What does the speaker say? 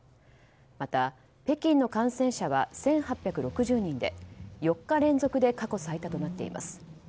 また北京の感染者は１８６０人で４日連続で過去最多となっています。